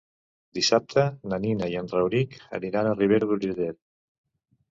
Dissabte na Nina i en Rauric aniran a Ribera d'Urgellet.